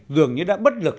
dường như đã bất lực